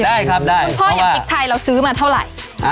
พ่อยังพริกไทยเราซื้อมาเท่าไหร่